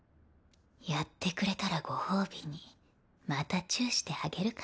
やってくれたらご褒美にまたチューしてあげるから。